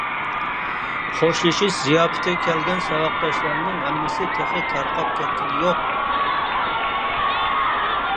خوشلىشىش زىياپىتىگە كەلگەن ساۋاقداشلارنىڭ ھەممىسى تېخى تارقاپ كەتكىنى يوق.